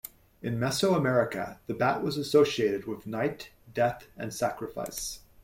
In Mesoamerica the bat was associated with night, death, and sacrifice.